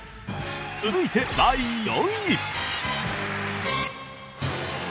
続いて第４位！